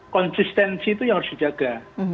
konsistensi itu yang harus dijaga